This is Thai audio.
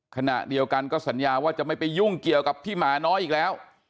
ขณะเดียวกันก็สัญญาว่าจะไม่ไปยุ่งเกี่ยวกับพี่หมาน้อยอีกแล้ว